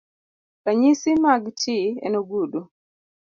Ranyisi mag ti en ogudu .